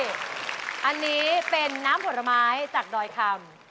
๑นาทีอันนี้เป็นน้ำผัวละไม้จากดอยคำ